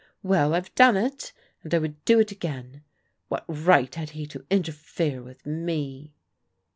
Well, I've done it, and I would do it again. What right had he to interfere with me